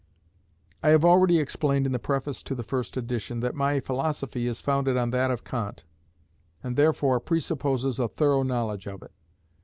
I have already explained in the preface to the first edition, that my philosophy is founded on that of Kant, and therefore presupposes a thorough knowledge of it.